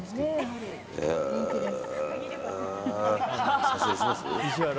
人気です。